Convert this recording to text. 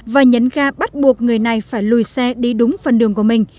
và nhấn ga bắt buộc người này phải lùi xe đi đúng phần đường của mình